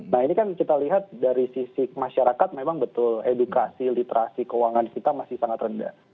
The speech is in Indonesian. nah ini kan kita lihat dari sisi masyarakat memang betul edukasi literasi keuangan kita masih sangat rendah